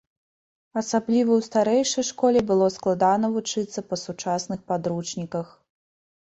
Асабліва ў старэйшай школе было складана вучыцца па сучасных падручніках.